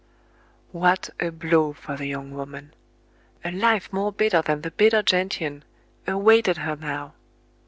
.What a blow for the young woman! A life more bitter than the bitter gentian awaited her now.